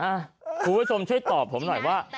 อ้าคุณวิทย์สมช่วยตอบผมหน่อยว่า